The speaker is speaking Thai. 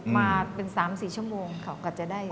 มาเป็น๓๔ชั่วโมงเขาก็จะได้